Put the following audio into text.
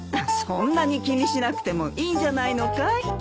そんなに気にしなくてもいいんじゃないのかい。